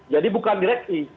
jadi bukan direksi